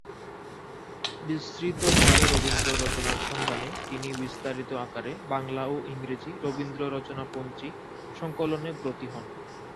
বিস্মৃতপ্রায় রবীন্দ্র-রচনার সন্ধানে তিনি বিস্তারিত আকারে বাংলা ও ইংরাজী 'রবীন্দ্র-রচনা-পঞ্জী' সংকলনে ব্রতী হন।